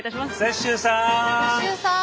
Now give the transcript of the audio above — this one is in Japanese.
雪洲さん！